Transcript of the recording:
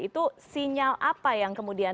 itu sinyal apa yang kemudian